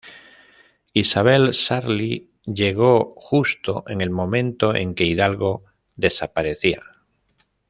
Isabel Sarli llegó justo en el momento en que Hidalgo desaparecía.